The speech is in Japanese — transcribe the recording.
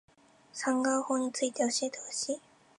サンガ―法について教えてほしい